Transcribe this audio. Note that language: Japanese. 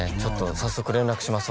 早速連絡します